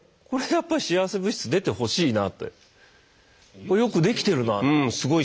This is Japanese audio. これやっぱ幸せ物質出てほしいなってこれよく出来てるなって。